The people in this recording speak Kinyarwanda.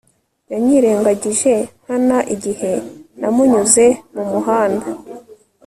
yanyirengagije nkana igihe namunyuze mu muhanda